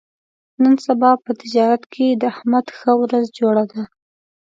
نن سبا په تجارت کې د احمد ښه ورځ جوړه ده.